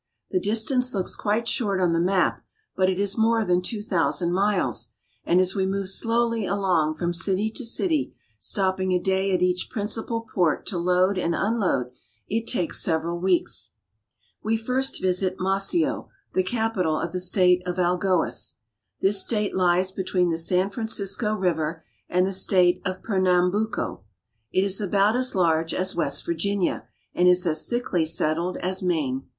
The distance looks quite short on the map, but it is more than two thousand miles, and as we move slowly along from city to city, stopping a day at each principal port to load and unload, it takes several weeks. We first visit Maceo, the capital of the state of Algoas. This state lies between the San Francisco river and the state of Pernambuco. It is about as large as West Vir ginia, and is as thickly settled as Maine.